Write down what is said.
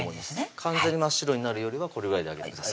完全に真っ白になるよりはこれぐらいで上げてください